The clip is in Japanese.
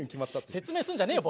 説明すんじゃねえよ